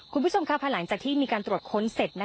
คุณผู้ชมค่ะภายหลังจากที่มีการตรวจค้นเสร็จ